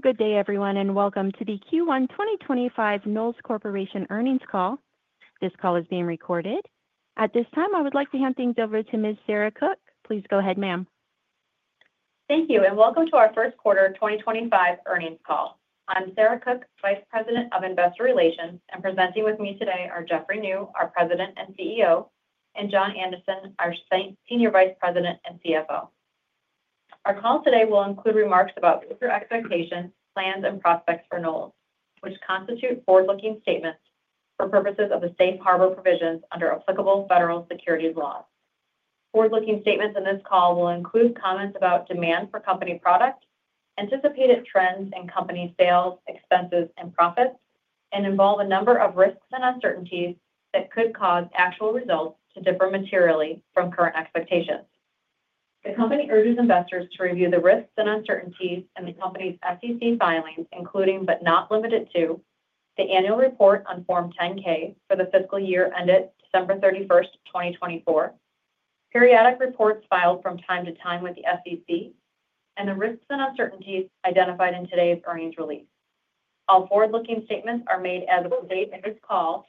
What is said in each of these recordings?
Good day, everyone, and welcome to the Q1 2025 Knowles Corporation earnings call. This call is being recorded. At this time, I would like to hand things over to Ms. Sarah Cook. Please go ahead, ma'am. Thank you, and welcome to our Q1 2025 earnings call. I'm Sarah Cook, Vice President of Investor Relations, and presenting with me today are Jeffrey Niew, our President and CEO, and John Anderson, our Senior Vice President and CFO. Our call today will include remarks about future expectations, plans, and prospects for Knowles, which constitute forwardlooking statements for purposes of the Safe Harbor provisions under applicable federal securities laws. Forward-looking statements in this call will include comments about demand for company product, anticipated trends in company sales, expenses, and profits, and involve a number of risks and uncertainties that could cause actual results to differ materially from current expectations. The company urges investors to review the risks and uncertainties in the company's SEC filings, including, but not limited to, the annual report on Form 10-K for the fiscal year ended December 31, 2024, periodic reports filed from time to time with the SEC, and the risks and uncertainties identified in today's earnings release. All forward-looking statements are made as of the date of this call,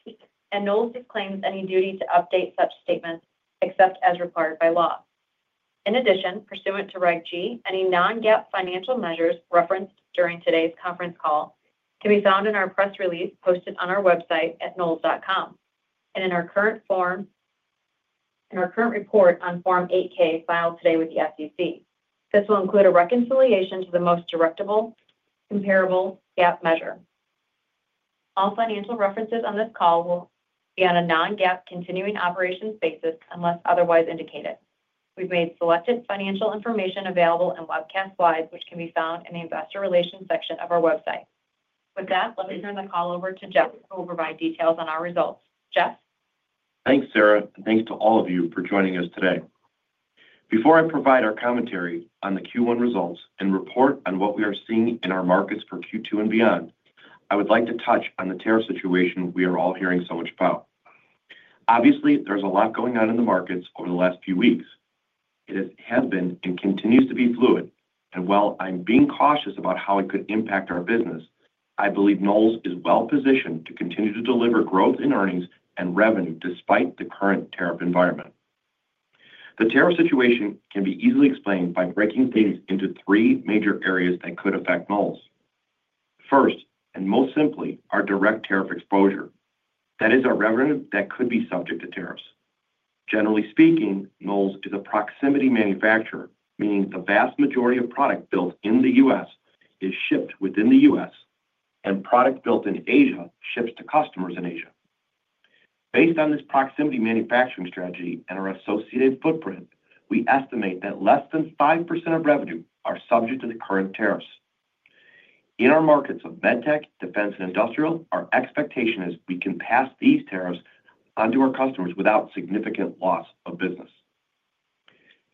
and Knowles disclaims any duty to update such statements except as required by law. In addition, pursuant to Reg G, any non-GAAP financial measures referenced during today's conference call can be found in our press release posted on our website at knowles.com and in our current report on Form 8-K filed today with the SEC. This will include a reconciliation to the most directly comparable GAAP measure. All financial references on this call will be on a non-GAAP continuing operations basis unless otherwise indicated. We've made selected financial information available in webcast slides, which can be found in the Investor Relations section of our website. With that, let me turn the call over to Jeff, who will provide details on our results. Jeff? Thanks, Sarah, and thanks to all of you for joining us today. Before I provide our commentary on the Q1 results and report on what we are seeing in our markets for Q2 and beyond, I would like to touch on the tariff situation we are all hearing so much about. Obviously, there's a lot going on in the markets over the last few weeks. It has been and continues to be fluid, and while I'm being cautious about how it could impact our business, I believe Knowles is well positioned to continue to deliver growth in earnings and revenue despite the current tariff environment. The tariff situation can be easily explained by breaking things into three major areas that could affect Knowles. First, and most simply, our direct tariff exposure. That is our revenue that could be subject to tariffs. Generally speaking, Knowles is a proximity manufacturer, meaning the vast majority of product built in the U.S. is shipped within the U.S., and product built in Asia ships to customers in Asia. Based on this proximity manufacturing strategy and our associated footprint, we estimate that less than 5% of revenue are subject to the current tariffs. In our markets of medtech, defense, and industrial, our expectation is we can pass these tariffs onto our customers without significant loss of business.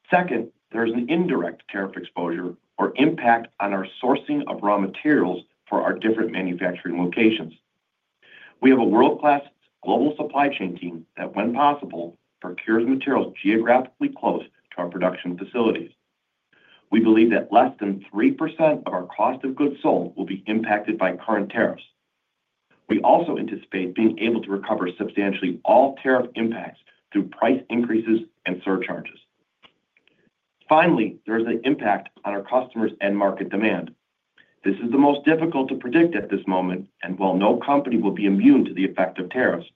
Second, there is an indirect tariff exposure or impact on our sourcing of raw materials for our different manufacturing locations. We have a world-class global supply chain team that, when possible, procures materials geographically close to our production facilities. We believe that less than 3% of our cost of goods sold will be impacted by current tariffs. We also anticipate being able to recover substantially all tariff impacts through price increases and surcharges. Finally, there is an impact on our customers' end market demand. This is the most difficult to predict at this moment, and while no company will be immune to the effect of tariffs,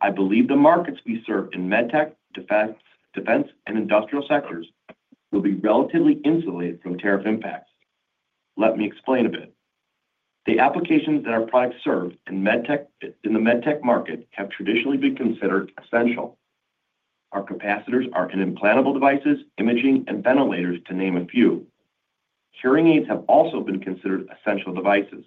I believe the markets we serve in medtech, defense, and industrial sectors will be relatively insulated from tariff impacts. Let me explain a bit. The applications that our products serve in the medtech market have traditionally been considered essential. Our capacitors are in implantable devices, imaging, and ventilators, to name a few. Hearing aids have also been considered essential devices.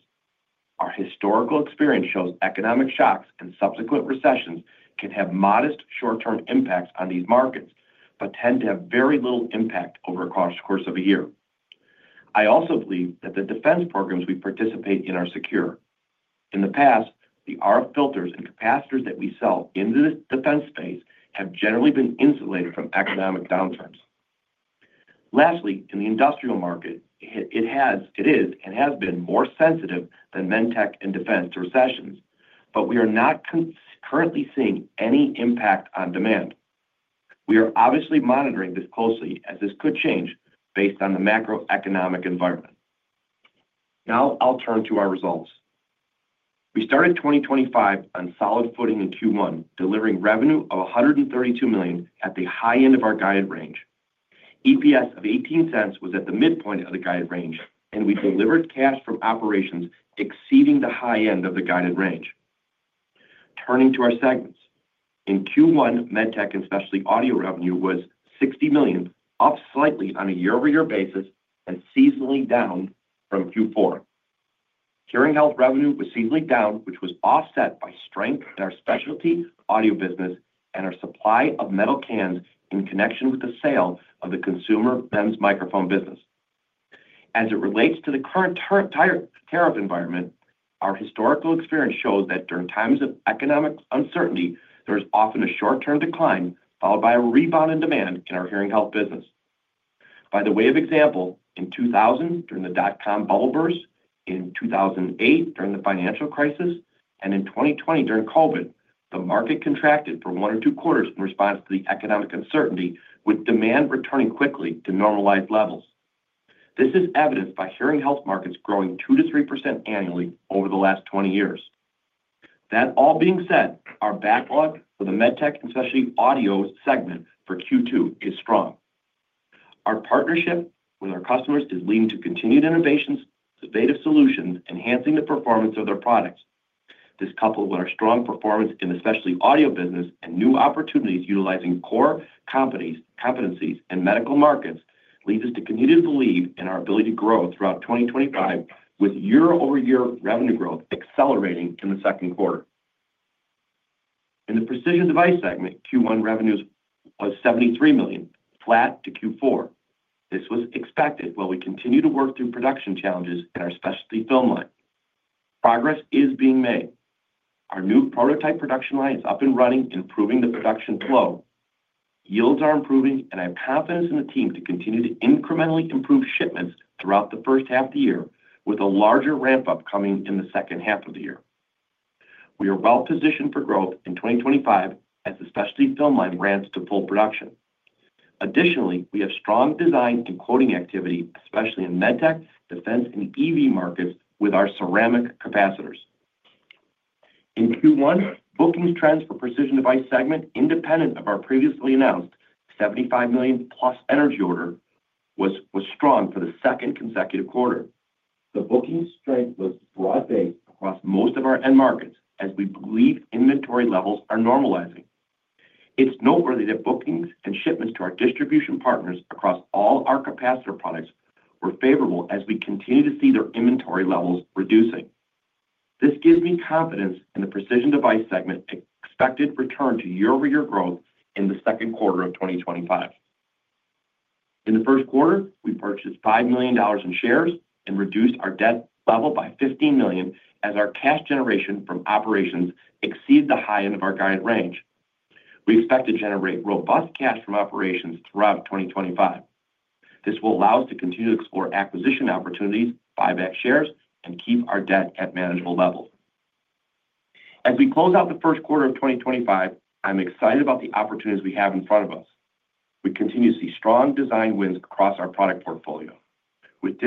Our historical experience shows economic shocks and subsequent recessions can have modest short-term impacts on these markets but tend to have very little impact over a course of a year. I also believe that the defense programs we participate in are secure. In the past, the RF filters and capacitors that we sell in the defense space have generally been insulated from economic downturns. Lastly, in the industrial market, it is and has been more sensitive than medtech and defense to recessions, but we are not currently seeing any impact on demand. We are obviously monitoring this closely as this could change based on the macroeconomic environment. Now, I'll turn to our results. We started 2025 on solid footing in Q1, delivering revenue of $132 million at the high end of our guided range. EPS of $0.18 was at the midpoint of the guided range, and we delivered cash from operations exceeding the high end of the guided range. Turning to our segments, in Q1, medtech and specialty audio revenue was $60 million, up slightly on a year-over-year basis and seasonally down from Q4. Hearing health revenue was seasonally down, which was offset by strength in our specialty audio business and our supply of metal cans in connection with the sale of the consumer MEMS microphone business. As it relates to the current tariff environment, our historical experience shows that during times of economic uncertainty, there is often a short-term decline followed by a rebound in demand in our hearing health business. By the way of example, in 2000, during the dot-com bubble burst, in 2008, during the financial crisis, and in 2020, during COVID, the market contracted for one or two quarters in response to the economic uncertainty, with demand returning quickly to normalized levels. This is evidenced by hearing health markets growing 2%-3% annually over the last 20 years. That all being said, our backlog for the medtech and specialty audio segment for Q2 is strong. Our partnership with our customers is leading to continued innovations, innovative solutions, enhancing the performance of their products. This coupled with our strong performance in the specialty audio business and new opportunities utilizing core competencies in medical markets leads us to continue to believe in our ability to grow throughout 2025, with year-over-year revenue growth accelerating in the Q2. In the precision device segment, Q1 revenues was $73 million, flat to Q4. This was expected while we continue to work through production challenges in our specialty film line. Progress is being made. Our new prototype production line is up and running, improving the production flow. Yields are improving, and I have confidence in the team to continue to incrementally improve shipments throughout the first half of the year, with a larger ramp-up coming in the second half of the year. We are well positioned for growth in 2025 as the specialty film line ramps to full production. Additionally, we have strong design and quoting activity, especially in medtech, defense, and EV markets with our ceramic capacitors. In Q1, bookings trends for the precision device segment, independent of our previously announced $75 million-plus energy order, were strong for the second consecutive quarter. The booking strength was broad-based across most of our end markets as we believe inventory levels are normalizing. It's noteworthy that bookings and shipments to our distribution partners across all our capacitor products were favorable as we continue to see their inventory levels reducing. This gives me confidence in the precision device segment expected return to year-over-year growth in the Q2 of 2025. In the Q1, we purchased $5 million in shares and reduced our debt level by $15 million as our cash generation from operations exceeds the high end of our guided range. We expect to generate robust cash from operations throughout 2025. This will allow us to continue to explore acquisition opportunities, buy back shares, and keep our debt at manageable levels. As we close out the Q1 of 2025, I'm excited about the opportunities we have in front of us. We continue to see strong design wins across our product portfolio. With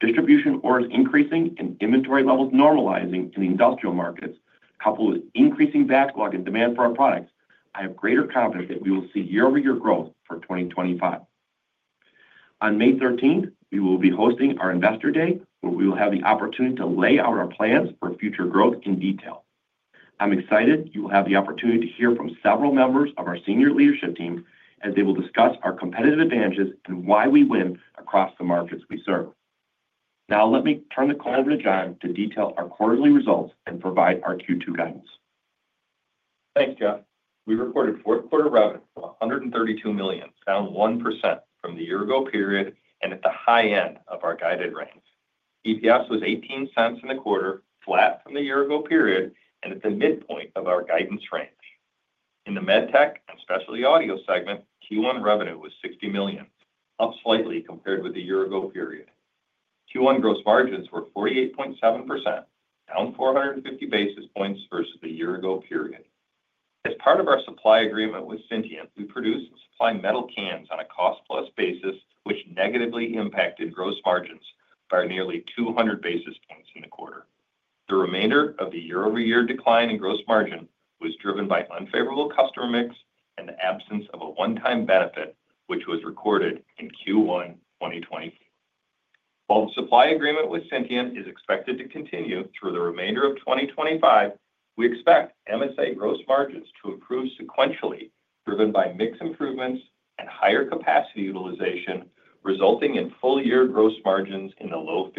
distribution orders increasing and inventory levels normalizing in the industrial markets, coupled with increasing backlog and demand for our products, I have greater confidence that we will see year-over-year growth for 2025. On May 13, we will be hosting our Investor Day, where we will have the opportunity to lay out our plans for future growth in detail. I'm excited you will have the opportunity to hear from several members of our senior leadership team as they will discuss our competitive advantages and why we win across the markets we serve. Now, let me turn the call over to John to detail our quarterly results and provide our Q2 guidance. Thanks, Jeff. We recorded Q4 revenue of $132 million, down 1% from the year-ago period and at the high end of our guided range. EPS was $0.18 in the quarter, flat from the year-ago period and at the midpoint of our guidance range. In the medtech and specialty audio segment, Q1 revenue was $60 million, up slightly compared with the year-ago period. Q1 gross margins were 48.7%, down 450 basis points versus the year-ago period. As part of our supply agreement with Syntient, we produced and supplied metal cans on a cost-plus basis, which negatively impacted gross margins by nearly 200 basis points in the quarter. The remainder of the year-over-year decline in gross margin was driven by unfavorable customer mix and the absence of a one-time benefit, which was recorded in Q1 2024. While the supply agreement with Syntient is expected to continue through the remainder of 2025, we expect MSA gross margins to improve sequentially, driven by mix improvements and higher capacity utilization, resulting in full-year gross margins in the low 50%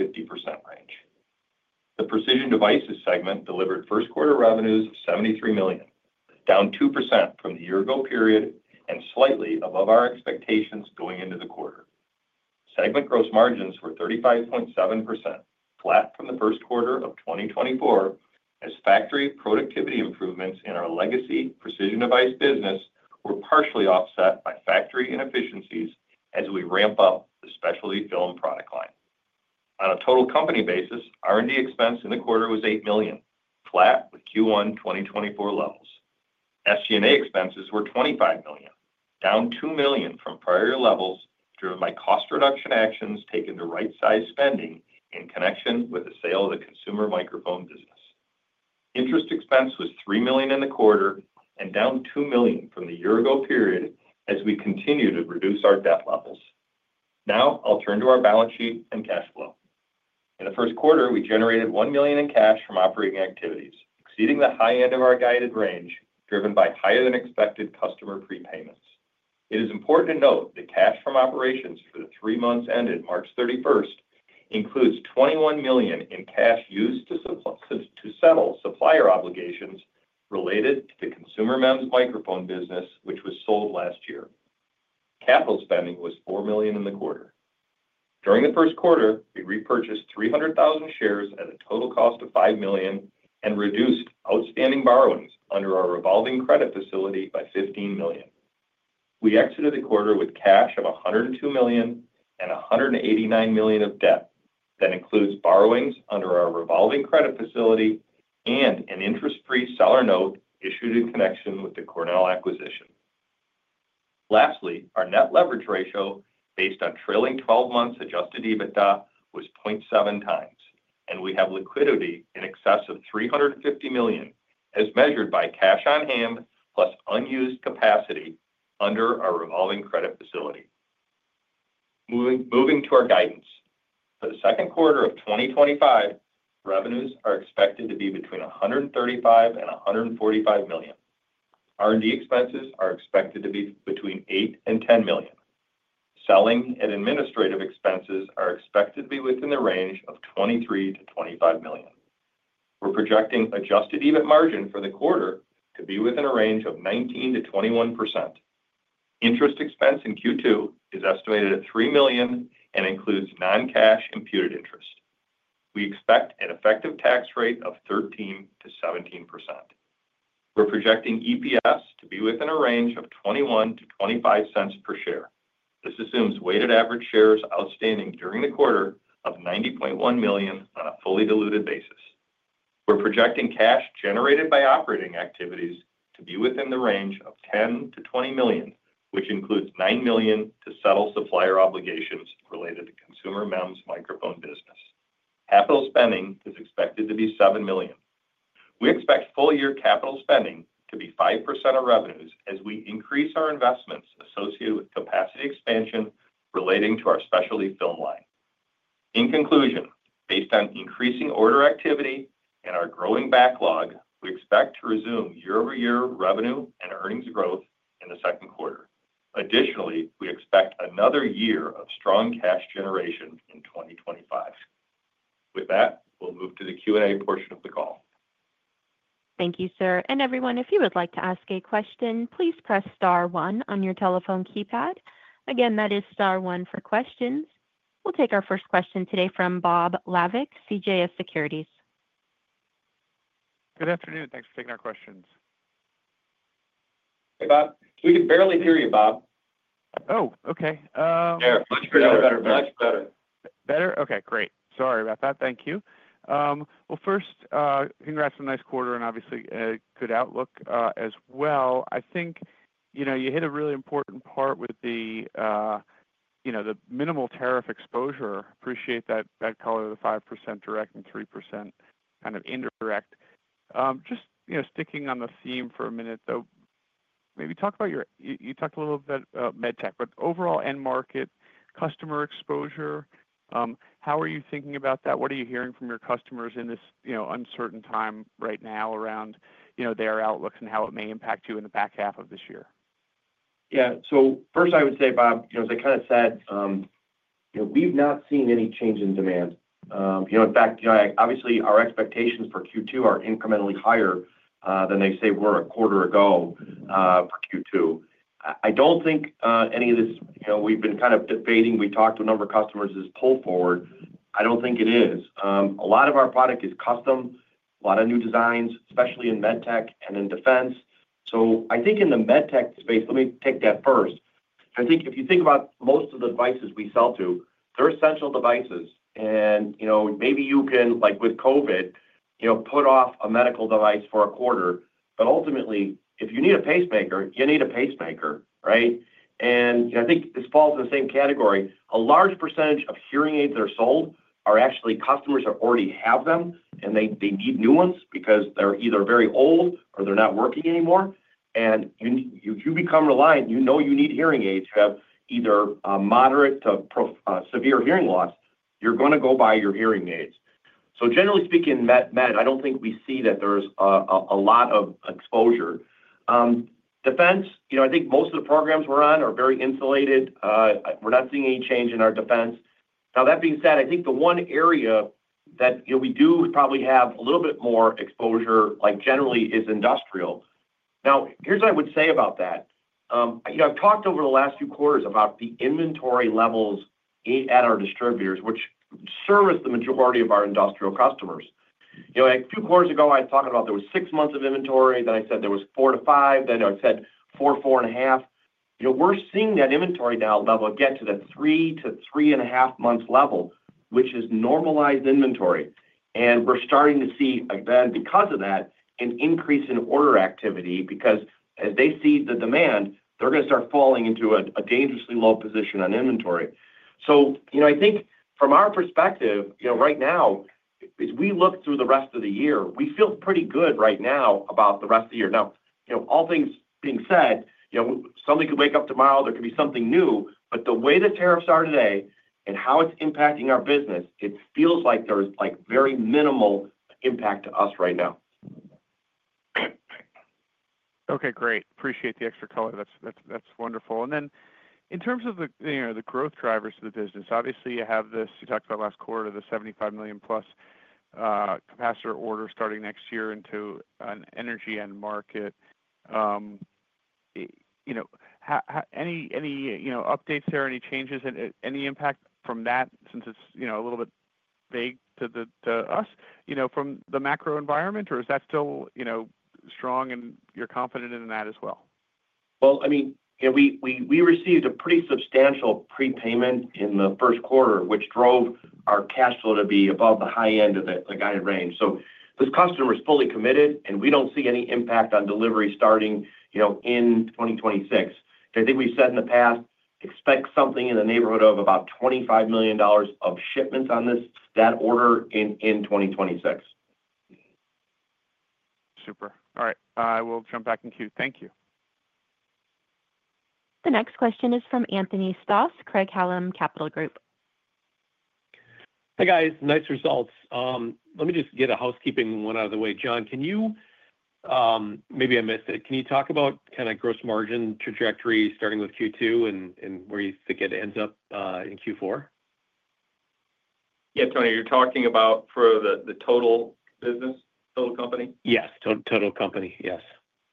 range. The precision devices segment delivered Q1 revenues of $73 million, down 2% from the year-ago period and slightly above our expectations going into the quarter. Segment gross margins were 35.7%, flat from the Q1 of 2024, as factory productivity improvements in our legacy precision device business were partially offset by factory inefficiencies as we ramp up the specialty film product line. On a total company basis, R&D expense in the quarter was $8 million, flat with Q1 2024 levels. SG&A expenses were $25 million, down $2 million from prior levels, driven by cost-reduction actions taken to right-size spending in connection with the sale of the consumer microphone business. Interest expense was $3 million in the quarter and down $2 million from the year-ago period as we continue to reduce our debt levels. Now, I'll turn to our balance sheet and cash flow. In the Q1, we generated $1 million in cash from operating activities, exceeding the high end of our guided range, driven by higher-than-expected customer prepayments. It is important to note that cash from operations for the three months ended March 31 includes $21 million in cash used to settle supplier obligations related to the consumer MEMS microphone business, which was sold last year. Capital spending was $4 million in the quarter. During the Q1, we repurchased 300,000 shares at a total cost of $5 million and reduced outstanding borrowings under our revolving credit facility by $15 million. We exited the quarter with cash of $102 million and $189 million of debt that includes borrowings under our revolving credit facility and an interest-free seller note issued in connection with the Cornell acquisition. Lastly, our net leverage ratio based on trailing 12 months' adjusted EBITDA was 0.7 times, and we have liquidity in excess of $350 million as measured by cash on hand plus unused capacity under our revolving credit facility. Moving to our guidance. For the Q2 of 2025, revenues are expected to be between $135 and $145 million. R&D expenses are expected to be between $8 and $10 million. Selling and administrative expenses are expected to be within the range of $23 to 25 million. We're projecting adjusted EBIT margin for the quarter to be within a range of 19% to 21%. Interest expense in Q2 is estimated at $3 million and includes non-cash imputed interest. We expect an effective tax rate of 13% to 17%. We're projecting EPS to be within a range of $0.21 to 0.25 per share. This assumes weighted average shares outstanding during the quarter of 90.1 million on a fully diluted basis. We're projecting cash generated by operating activities to be within the range of $10 to 20 million, which includes $9 million to settle supplier obligations related to consumer MEMS microphone business. Capital spending is expected to be $7 million. We expect full-year capital spending to be 5% of revenues as we increase our investments associated with capacity expansion relating to our specialty film line. In conclusion, based on increasing order activity and our growing backlog, we expect to resume year-over-year revenue and earnings growth in the Q2. Additionally, we expect another year of strong cash generation in 2025. With that, we'll move to the Q&A portion of the call. Thank you, sir. Everyone, if you would like to ask a question, please press star one on your telephone keypad. Again, that is star one for questions. We'll take our first question today from Bob Labick, CJS Securities. Good afternoon. Thanks for taking our questions. Hey, Bob. We can barely hear you, Bob. Oh, okay. Yeah, much better. Much better. Better? Okay, great. Sorry about that. Thank you. First, congrats on a nice quarter and obviously a good outlook as well. I think you hit a really important part with the minimal tariff exposure. Appreciate that call of the 5% direct and 3% kind of indirect. Just sticking on the theme for a minute, though, maybe talk about your—you talked a little bit about medtech, but overall end market customer exposure. How are you thinking about that? What are you hearing from your customers in this uncertain time right now around their outlooks and how it may impact you in the back half of this year? Yeah. First, I would say, Bob, as I kind of said, we've not seen any change in demand. In fact, obviously, our expectations for Q2 are incrementally higher than they were a quarter ago for Q2. I don't think any of this—we've been kind of debating. We talked to a number of customers about this pull forward. I don't think it is. A lot of our product is custom, a lot of new designs, especially in medtech and in defense. I think in the medtech space, let me take that first. If you think about most of the devices we sell to, they're essential devices. Maybe you can, like with COVID, put off a medical device for a quarter. Ultimately, if you need a pacemaker, you need a pacemaker, right? I think this falls in the same category. A large percentage of hearing aids that are sold are actually customers that already have them, and they need new ones because they're either very old or they're not working anymore. If you become reliant—you know you need hearing aids—you have either moderate to severe hearing loss, you're going to go buy your hearing aids. Generally speaking, med, I don't think we see that there's a lot of exposure. Defense, I think most of the programs we're on are very insulated. We're not seeing any change in our defense. That being said, I think the one area that we do probably have a little bit more exposure, generally, is industrial. Here's what I would say about that. I've talked over the last few quarters about the inventory levels at our distributors, which service the majority of our industrial customers. A few quarters ago, I was talking about there were six months of inventory. Then I said there were four to five. Then I said four, four and a half. We're seeing that inventory now level get to the three to three and a half months level, which is normalized inventory. We're starting to see, again, because of that, an increase in order activity because as they see the demand, they're going to start falling into a dangerously low position on inventory. I think from our perspective, right now, as we look through the rest of the year, we feel pretty good right now about the rest of the year. All things being said, somebody could wake up tomorrow. There could be something new. The way the tariffs are today and how it's impacting our business, it feels like there's very minimal impact to us right now. Okay, great. Appreciate the extra color. That's wonderful. In terms of the growth drivers for the business, obviously, you have this—you talked about last quarter—the $75 million-plus capacitor orders starting next year into an energy end market. Any updates there, any changes, any impact from that since it's a little bit vague to us from the macro environment, or is that still strong and you're confident in that as well? I mean, we received a pretty substantial prepayment in the Q1, which drove our cash flow to be above the high end of the guided range. This customer is fully committed, and we do not see any impact on delivery starting in 2026. I think we have said in the past, expect something in the neighborhood of about $25 million of shipments on that order in 2026. Super. All right. I will jump back in queue. Thank you. The next question is from Anthony Stoss, Craig-Hallum Capital Group. Hey, guys. Nice results. Let me just get a housekeeping one out of the way. John, can you—maybe I missed it—can you talk about kind of gross margin trajectory starting with Q2 and where you think it ends up in Q4? Yeah, Tony, you're talking about for the total business, total company? Yes. Total company, yes.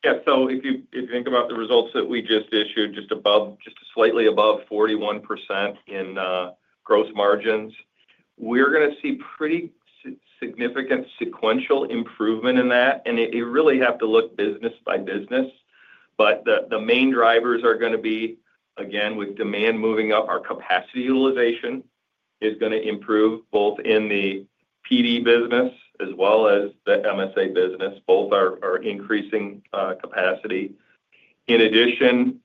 Yeah. If you think about the results that we just issued, just slightly above 41% in gross margins, we're going to see pretty significant sequential improvement in that. You really have to look business by business. The main drivers are going to be, again, with demand moving up, our capacity utilization is going to improve both in the PD business as well as the MSA business. Both are increasing capacity. In addition,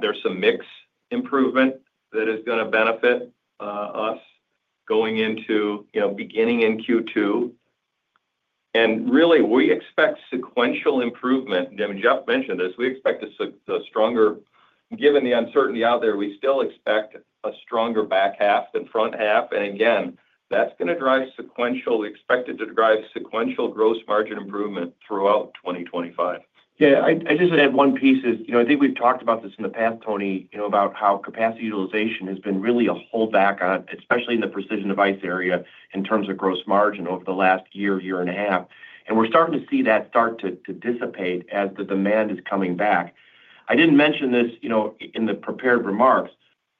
there's some mix improvement that is going to benefit us going into beginning in Q2. I mean, Jeff mentioned this. We expect a stronger—given the uncertainty out there, we still expect a stronger back half than front half. Again, that's going to drive sequential—we expect it to drive sequential gross margin improvement throughout 2025. Yeah. I just add one piece is I think we've talked about this in the past, Tony, about how capacity utilization has been really a holdback, especially in the precision device area in terms of gross margin over the last year, year and a half. We're starting to see that start to dissipate as the demand is coming back. I didn't mention this in the prepared remarks,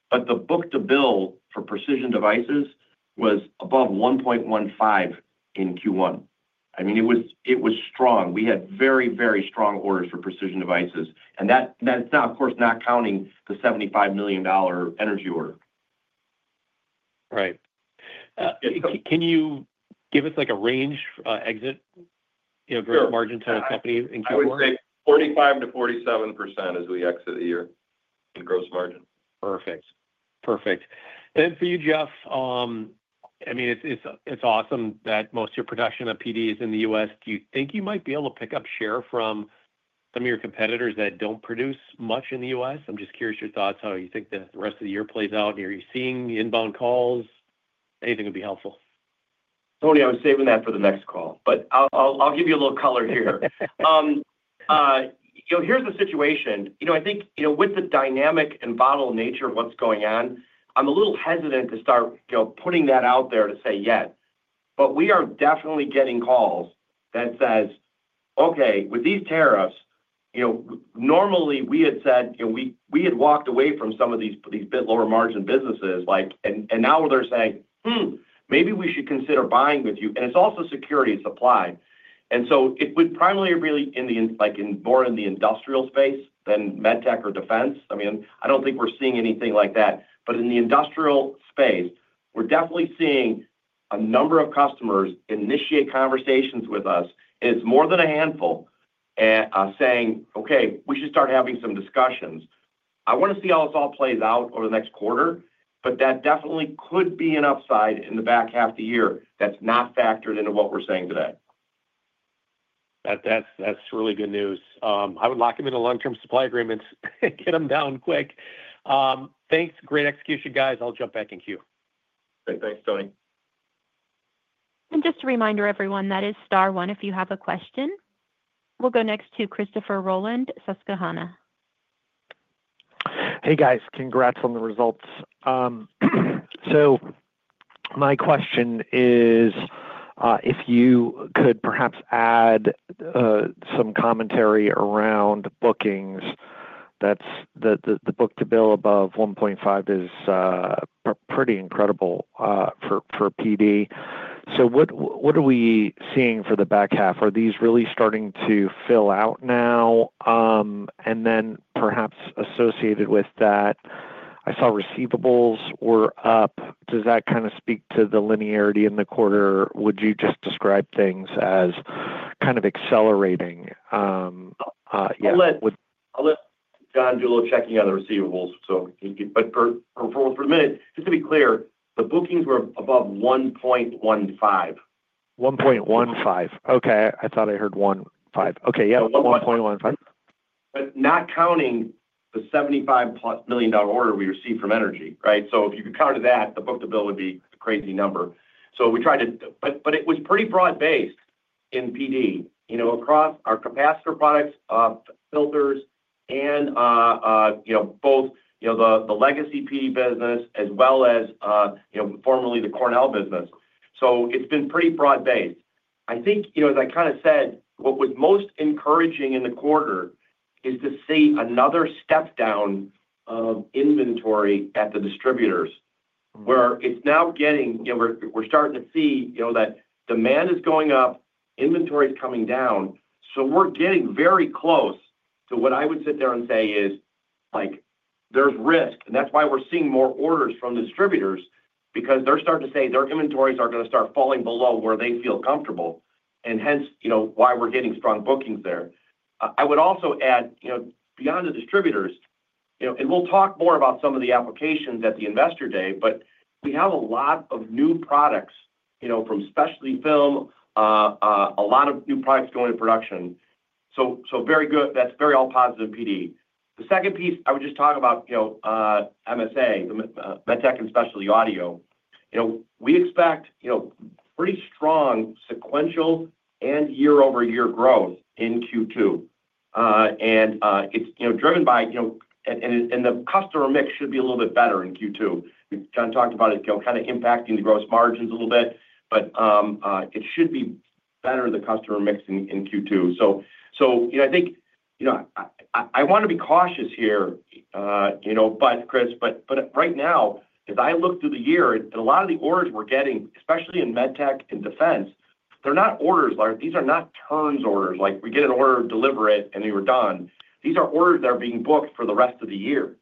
but the book to bill for precision devices was above 1.15 in Q1. I mean, it was strong. We had very, very strong orders for precision devices. That's not, of course, not counting the $75 million energy order. Right. Can you give us a range exit gross margin type of company in Q4? I would say 45-47% as we exit the year in gross margin. Perfect. Perfect. For you, Jeff, I mean, it's awesome that most of your production of PD is in the U.S. Do you think you might be able to pick up share from some of your competitors that do not produce much in the U.S.? I'm just curious your thoughts, how you think the rest of the year plays out. Are you seeing inbound calls? Anything would be helpful. Tony, I was saving that for the next call. I will give you a little color here. Here is the situation. I think with the dynamic and volatile nature of what is going on, I am a little hesitant to start putting that out there to say yet. We are definitely getting calls that say, "Okay, with these tariffs, normally we had said we had walked away from some of these bit lower margin businesses." Now they are saying, "Maybe we should consider buying with you." It is also security of supply. It would primarily be more in the industrial space than medtech or defense. I mean, I do not think we are seeing anything like that. In the industrial space, we are definitely seeing a number of customers initiate conversations with us. It is more than a handful saying, "Okay, we should start having some discussions." I want to see how this all plays out over the next quarter, but that definitely could be an upside in the back half of the year that is not factored into what we are saying today. That's really good news. I would lock them into long-term supply agreements. Get them down quick. Thanks. Great execution, guys. I'll jump back in queue. Great. Thanks, Tony. Just a reminder, everyone, that is star one if you have a question. We'll go next to Christopher Rolland, Susquehanna. Hey, guys. Congrats on the results. My question is if you could perhaps add some commentary around bookings. The book to bill above 1.5 is pretty incredible for PD. What are we seeing for the back half? Are these really starting to fill out now? Perhaps associated with that, I saw receivables were up. Does that kind of speak to the linearity in the quarter? Would you just describe things as kind of accelerating? Yeah. I'll let John Anderson check in on the receivables. But for the minute, just to be clear, the bookings were above 1.15. 1.15. Okay. I thought I heard 1.5. Okay. Yeah. 1.15. Not counting the $75 million order we received from energy, right? If you could count that, the book to bill would be a crazy number. We tried to—but it was pretty broad-based in PD across our capacitor products, filters, and both the legacy PD business as well as formerly the Cornell business. It has been pretty broad-based. I think, as I kind of said, what was most encouraging in the quarter is to see another step down of inventory at the distributors where it is now getting—we are starting to see that demand is going up, inventory is coming down. We are getting very close to what I would sit there and say is there is risk. That is why we are seeing more orders from the distributors because they are starting to say their inventories are going to start falling below where they feel comfortable, and hence why we are getting strong bookings there. I would also add, beyond the distributors—we will talk more about some of the applications at the investor day, but we have a lot of new products from specialty film, a lot of new products going into production. Very good. That is all positive in PD. The second piece, I would just talk about MSA, medtech and specialty audio. We expect pretty strong sequential and year-over-year growth in Q2. It is driven by—and the customer mix should be a little bit better in Q2. John talked about it kind of impacting the gross margins a little bit, but it should be better in the customer mix in Q2. I think I want to be cautious here, Chris, but right now, as I look through the year, and a lot of the orders we're getting, especially in medtech and defense, they're not orders—these are not turns orders. We get an order, deliver it, and then you're done. These are orders that are being booked for the rest of the year.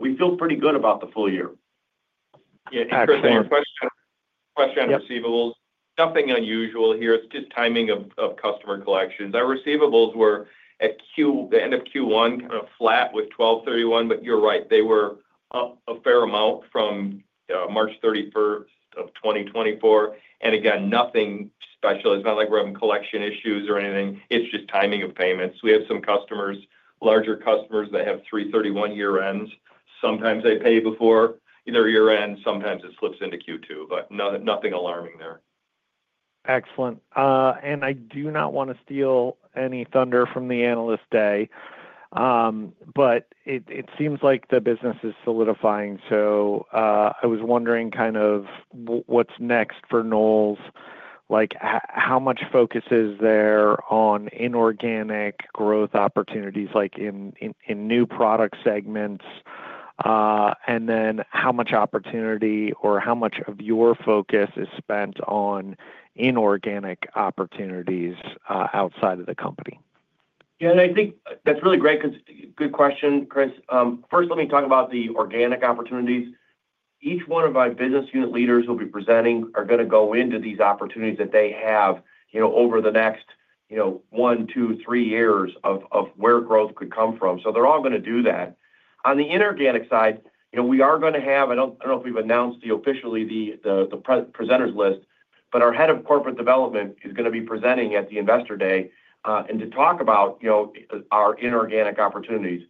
We feel pretty good about the full year. Yeah. Interesting. Question on receivables. Nothing unusual here. It's just timing of customer collections. Our receivables were at the end of Q1, kind of flat with December 31, but you're right. They were up a fair amount from March 31, 2024. Again, nothing special. It's not like we're having collection issues or anything. It's just timing of payments. We have some customers, larger customers that have March 31 year ends. Sometimes they pay before their year end. Sometimes it slips into Q2, but nothing alarming there. Excellent. I do not want to steal any thunder from the analyst day, but it seems like the business is solidifying. I was wondering kind of what's next for Knowles. How much focus is there on inorganic growth opportunities in new product segments? How much opportunity or how much of your focus is spent on inorganic opportunities outside of the company? Yeah. I think that's really great because good question, Chris. First, let me talk about the organic opportunities. Each one of our business unit leaders who will be presenting are going to go into these opportunities that they have over the next one, two, three years of where growth could come from. They're all going to do that. On the inorganic side, we are going to have—I don't know if we've announced officially the presenters list, but our Head of Corporate Development is going to be presenting at the investor day and to talk about our inorganic opportunities.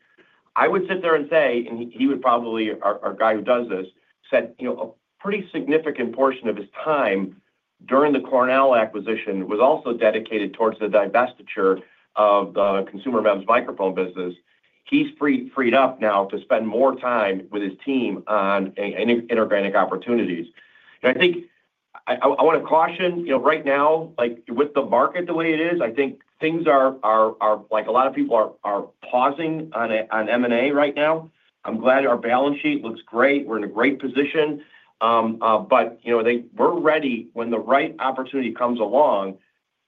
I would sit there and say, and he would probably—our guy who does this—spent a pretty significant portion of his time during the Cornell acquisition also dedicated towards the divestiture of the consumer MEMS microphone business. He's freed up now to spend more time with his team on inorganic opportunities. I think I want to caution right now, with the market the way it is, I think things are—a lot of people are pausing on M&A right now. I'm glad our balance sheet looks great. We're in a great position. We're ready when the right opportunity comes along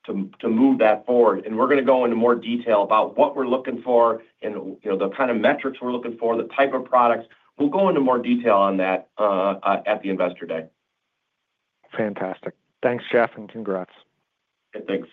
to move that forward. We're going to go into more detail about what we're looking for and the kind of metrics we're looking for, the type of products. We'll go into more detail on that at the investor day. Fantastic. Thanks, Jeff, and congrats. Thanks.